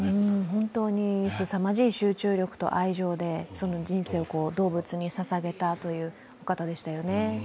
本当にすさまじい集中力と愛情でその人生を動物にささげたという方でしたよね。